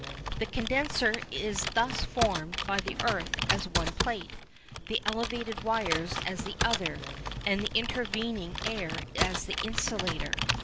The condenser is thus formed by the earth as one plate, the elevated wires as the other, and the intervening air as the insulator.